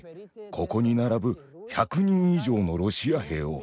ここに並ぶ１００人以上のロシア兵を。